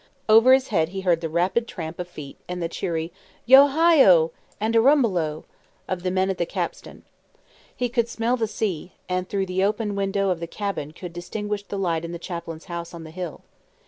Over his head he heard the rapid tramp of feet and the cheery, Yo hi oh! and a rumbelow! of the men at the capstan. He could smell the sea, and through the open window of the cabin could distinguish the light in the chaplain's house on the hill.